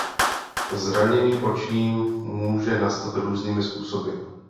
Zranění očí může nastat různými způsoby.